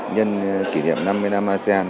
nhân kỷ niệm năm mươi năm asean